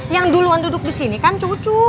yang duluan duduk disini kan cucu